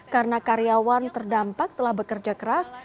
karena karyawan terdampak telah bekerja keras